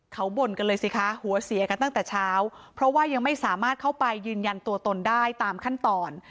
เขาบ่นกันเลยสิคะหัวเสียกันตั้งแต่เช้าเพราะว่ายังไม่สามารถเข้าไปยืนยันตัวตนได้ตามขั้นตอน